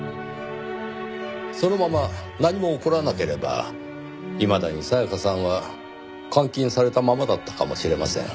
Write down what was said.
そのまま何も起こらなければいまだに沙也加さんは監禁されたままだったかもしれません。